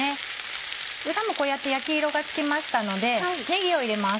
裏もこうやって焼き色がつきましたのでねぎを入れます。